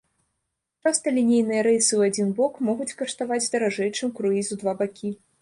Часта лінейныя рэйсы ў адзін бок могуць каштаваць даражэй, чым круіз у два бакі.